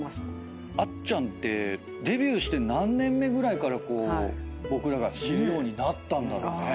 あっちゃんってデビューして何年目ぐらいからこう僕らが知るようになったんだろうね？